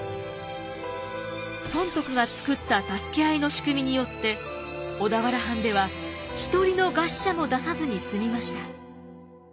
尊徳が作った助け合いの仕組みによって小田原藩では一人の餓死者も出さずに済みました。